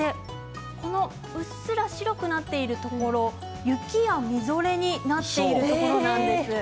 うっすら白くなっているところ雪やみぞれになっているところなんです。